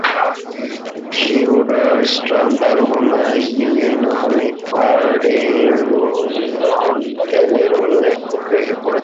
Theodore Storm তার উপন্যাস "ইইন হলিগফার্ট"-এ রুংহোল্টের উল্লেখ করেছেন।